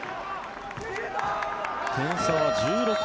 点差は１６点。